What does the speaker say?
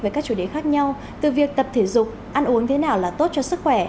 với các chủ đề khác nhau từ việc tập thể dục ăn uống thế nào là tốt cho sức khỏe